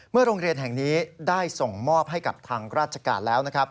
เมื่อโรงเรียนแห่งนี้ได้ส่งมอบให้กับทางราชกาลแล้ว